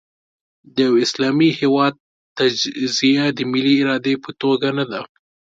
د یوه اسلامي هېواد تجزیه د ملي ارادې په توګه نه ده.